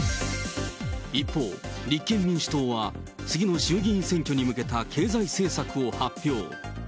一方、立憲民主党は次の衆議院選挙に向けた経済政策を発表。